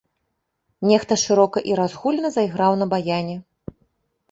Нехта шырока і разгульна зайграў на баяне.